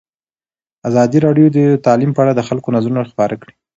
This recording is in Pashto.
ازادي راډیو د تعلیم په اړه د خلکو نظرونه خپاره کړي.